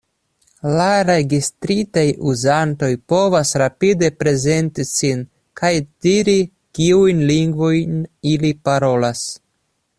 La registritaj uzantoj povas rapide prezenti sin kaj diri kiujn lingvojn ili parolas.